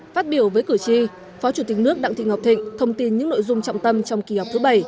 phát biểu với cử tri phó chủ tịch nước đặng thị ngọc thịnh thông tin những nội dung trọng tâm trong kỳ họp thứ bảy